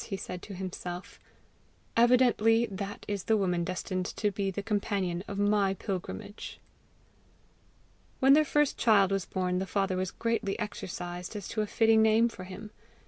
he said to himself. "Evidently that is the woman destined to be the companion of my pilgrimage!" When their first child was born, the father was greatly exercised as to a fitting name for him.